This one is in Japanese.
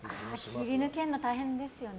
切り抜けるの大変ですね。